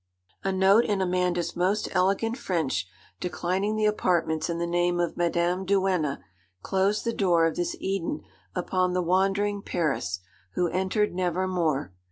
A note in Amanda's most elegant French, declining the apartments in the name of Madame Duenna, closed the door of this Eden upon the wandering peris, who entered never more.